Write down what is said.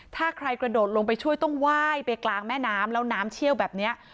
ถ้าใครกระโดดลงไปช่วยต้องไหว้ไปกลางแม่น้ำแล้วน้ำเชี่ยวแบบนี้